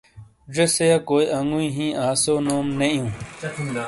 ڙیسیا کا انگویی ہی آسیو نوم نیئو۔